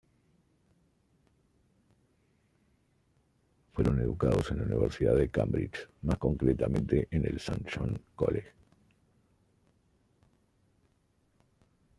Fueron educados en la universidad de Cambridge, más concretamente en St John's College.